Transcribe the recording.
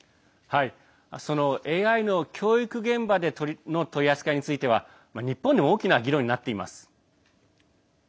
そのＡＩの教育現場での取り扱いについては日本でも大きな議論になっています。